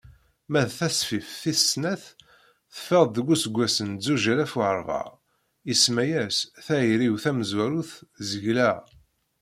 Ma d tasfift tis ssat teffeɣ-d deg useggas n zuǧ alaf u rebεa, isemma-as "Tayri-w tamezwarut zegleɣ."